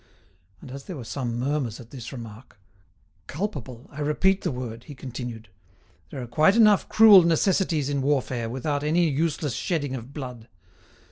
And as there were some murmurs at this remark; "Culpable, I repeat the word," he continued. "There are quite enough cruel necessities in warfare without any useless shedding of blood.